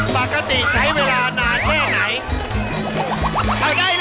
ปกติใช้เวลานานแค่ไหน